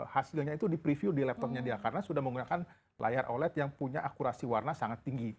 hasilnya itu di preview di laptopnya dia karena sudah menggunakan layar oled yang punya akurasi warna sangat tinggi